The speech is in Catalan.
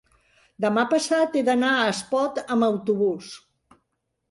demà passat he d'anar a Espot amb autobús.